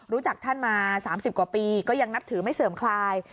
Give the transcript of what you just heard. ท่านมา๓๐กว่าปีก็ยังนับถือไม่เสื่อมคลาย